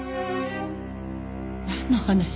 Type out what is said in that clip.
なんの話？